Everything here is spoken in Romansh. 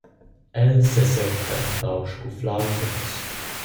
El sesenta empau scuflaus oz.